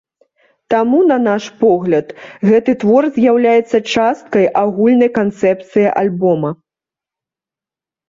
Таму, на наш погляд, гэты твор з'яўляецца часткай агульнай канцэпцыі альбома.